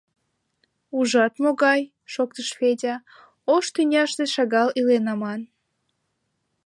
— Ужат, могай! — шоктыш Федя. — Ош тӱняште шагал илен аман.